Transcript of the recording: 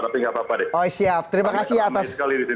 tapi gak apa apa deh oi siap terima kasih atas